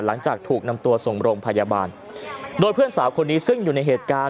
หลังจากถูกนำตัวส่งโรงพยาบาลโดยเพื่อนสาวคนนี้ซึ่งอยู่ในเหตุการณ์